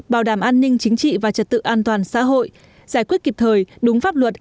bảo đảm an ninh chính trị và trật tự an toàn xã hội giải quyết kịp thời đúng pháp luật